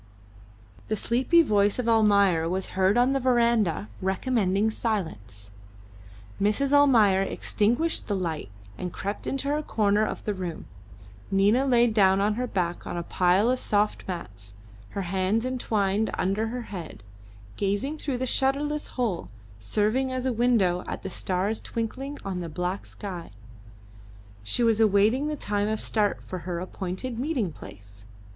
The sleepy voice of Almayer was heard on the verandah recommending silence. Mrs. Almayer extinguished the light and crept into her corner of the room. Nina laid down on her back on a pile of soft mats, her hands entwined under her head, gazing through the shutterless hole, serving as a window at the stars twinkling on the black sky; she was awaiting the time of start for her appointed meeting place.